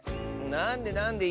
なんでなんで。